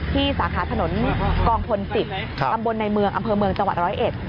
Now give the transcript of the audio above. สาขาถนนกองพล๑๐ตำบลในเมืองอำเภอเมืองจังหวัดร้อยเอ็ด